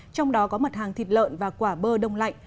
trong đó có mặt hàng thịt lợn và quả bơ đông lạnh